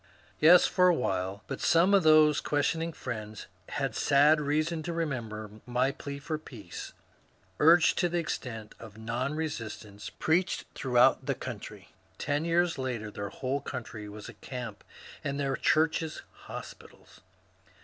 Yes, for a while ; but some of these questioning friends had sad reason to remember my plea for peace, urged to the extent of non resistance, preached throughout the county. Ten years later their whole county was a camp and their churches hospitals.